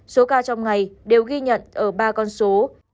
số ca trong ngày đều ghi nhận ở ba con số